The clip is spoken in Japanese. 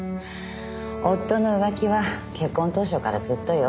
夫の浮気は結婚当初からずっとよ。